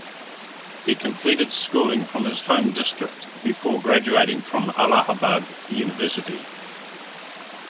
He completed schooling from his home district before graduating from Allahabad University.